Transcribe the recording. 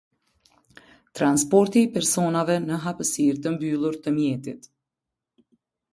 Transporti i personave në hapësirë të mbyllur të mjetit.